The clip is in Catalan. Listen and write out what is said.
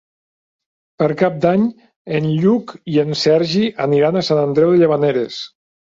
Per Cap d'Any en Lluc i en Sergi aniran a Sant Andreu de Llavaneres.